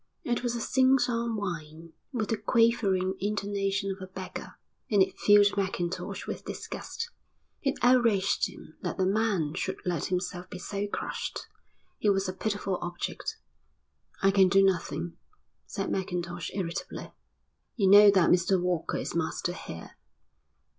It was a sing song whine, with the quavering intonations of a beggar, and it filled Mackintosh with disgust. It outraged him that the man should let himself be so crushed. He was a pitiful object. "I can do nothing," said Mackintosh irritably. "You know that Mr Walker is master here."